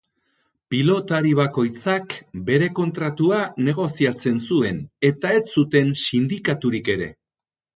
Pilotari bakoitzak bere kontratua negoziatzen zuen, eta ez zuten sindikaturik ere.